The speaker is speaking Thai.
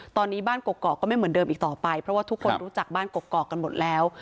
ตอนนี้บ้านกกอกก็ไม่เหมือนเดิมอีกต่อไปเพราะว่าทุกคนรู้จักบ้านกกอกกันหมดแล้ว